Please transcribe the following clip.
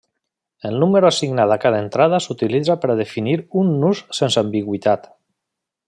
El número assignat a cada entrada s'utilitza per a definir un nus sense ambigüitat.